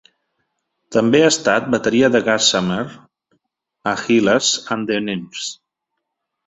També ha estat bateria de Gaz Sumner a Hylas and the Nymphs.